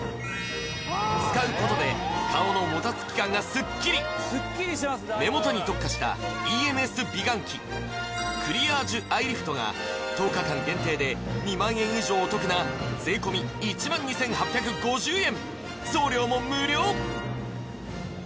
使うことで顔のもたつき感がスッキリ目元に特化したＥＭＳ美顔器クリアージュアイリフトが１０日間限定で２万円以上お得な税込１万２８５０円